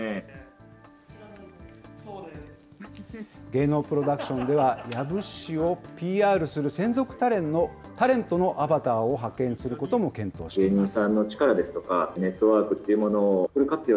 芸能プロダクションでは、養父市をＰＲする専属タレントのアバターを派遣することも検討しています。